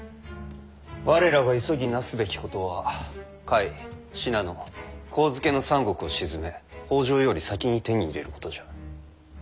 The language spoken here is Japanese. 我らが急ぎなすべきことは甲斐信濃上野の三国を鎮め北条より先に手に入れることじゃ。